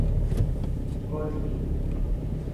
Olti.